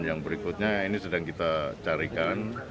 yang berikutnya ini sedang kita carikan